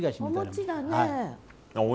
お餅だね。